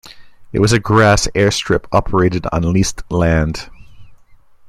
It was a grass airstrip operated on leased land.